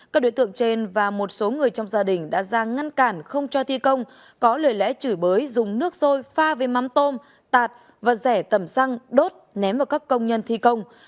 các đối tượng trên và một số người trong gia đình đã ra ngăn cản không cho thi công có lời lẽ chửi bới dùng nước sôi pha với mắm tôm tạt và rẻ tẩm xăng đốt ném vào các công nhân thi công